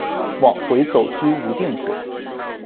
往回走居无定所